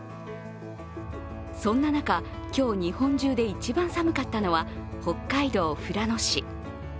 そんな中、今日日本中で一番寒かったのは北海道富良野市。